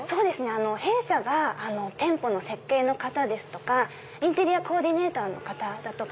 弊社が店舗の設計の方ですとかインテリアコーディネーターの方だとか。